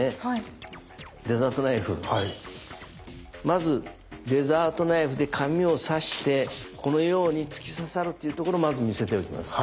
まずデザートナイフで紙を刺してこのように突き刺さるっていうところをまず見せておきます。